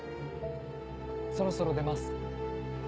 そろそろ出ます。